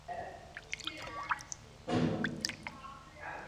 Katastrofy pak pro Újezd znamenaly spíše požáry či epidemie nemocí.